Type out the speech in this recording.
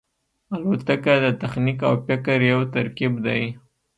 الوتکه د تخنیک او فکر یو ترکیب دی.